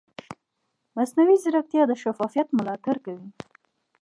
مصنوعي ځیرکتیا د شفافیت ملاتړ کوي.